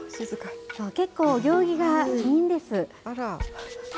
結構、お行儀がいいんです。